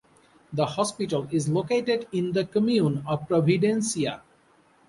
The hospital is located in the commune of Providencia.